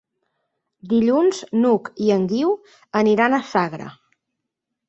Dilluns n'Hug i en Guiu aniran a Sagra.